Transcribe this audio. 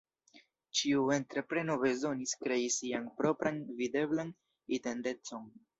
Ĉiu entrepreno bezonis krei sian propran videblan identecon.